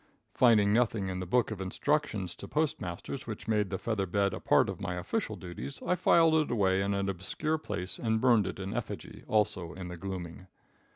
Finding nothing in the book of instructions to postmasters which made the feather bed a part of my official duties, I filed it away in an obscure place and burned it in effigy, also in the gloaming.